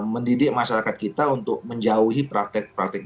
mendidik masyarakat kita untuk menjauhi praktik praktik itu